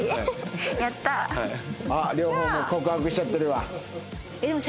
あっ両方もう告白しちゃってるわ。